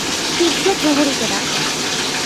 শীঘ্র প্রহরীকে ডাকো।